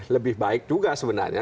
lebih baik juga sebenarnya